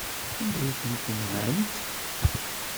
Anda ay tent-nɣant?